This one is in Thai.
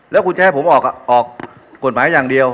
แล้วคุณจะให้ผมออกกฎหมายอย่างเดียว